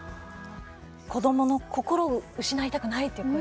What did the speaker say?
子どもの心を失いたくないという声。